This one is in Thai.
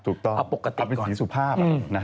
เอาปกติก่อนนะครับครับผมเอาเป็นสีสุภาพ